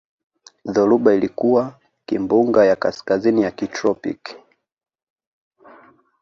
Dhoruba ilikuwa kimbunga ya kaskazini ya kitropiki